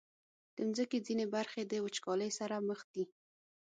د مځکې ځینې برخې د وچکالۍ سره مخ دي.